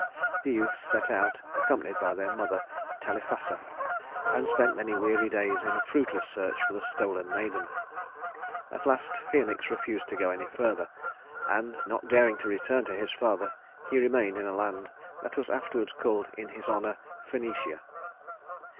The youths set out, accompanied by their mother, Telephassa, and spent many weary days in a fruitless search for the stolen maiden. At last Phœnix refused to go any farther, and, not daring to return to his father, he remained in a land that was afterwards called in his honor Phœnicia.